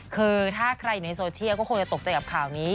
คือถ้าใครอยู่ในโซเชียลก็คงจะตกใจกับข่าวนี้